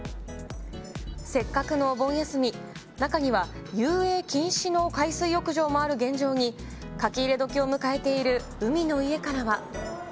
せっかくのお盆休み、中には遊泳禁止の海水浴場もある現状に、書き入れ時を迎えている海の家からは。